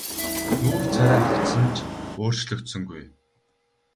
Нүүр царай харц нь ч өөрчлөгдсөнгүй.